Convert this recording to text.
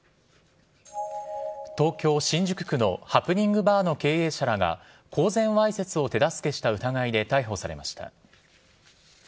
東京・新宿区のハプニングバーの経営者らが公然わいせつを手助けした疑いで逮捕されました。